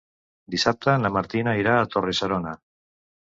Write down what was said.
Dissabte na Martina irà a Torre-serona.